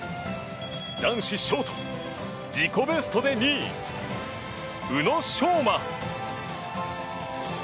男子ショート自己ベストで２位、宇野昌磨。